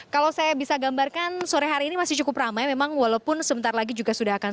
kalau saya bisa gambarkan sore hari ini masih cukup ramai memang walaupun sebentar lagi juga sudah akan